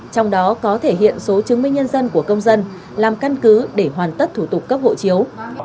trong đó có thể hiện số chứng minh nhân dân của công dân làm căn cứ để hoàn tất thủ tục cấp hộ chiếu